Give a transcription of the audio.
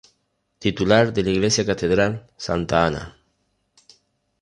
Titular de la Iglesia Catedral: Santa Ana.